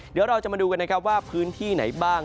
เดี๋ยวเราจะมาดูกันนะครับว่าพื้นที่ไหนบ้าง